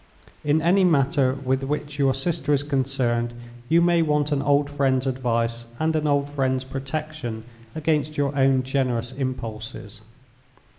In any matter with which your sister is concerned, you may want an old friend's advice, and an old friend's protection against your own generous impulses.